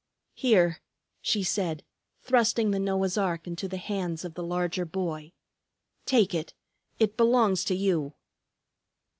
"Here," she said, thrusting the Noah's ark into the hands of the larger boy. "Take it. It belongs to you."